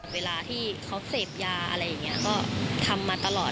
เวลาที่เขาเศพยาอะไรก็ทำมาตลอด